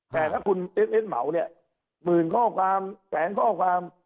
แต่ถ้าคุณเอสเอสเหมาเนี่ย๑๐๐๐๐ข้อความ๑๐๐๐๐๐ข้อความ